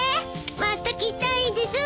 また来たいです！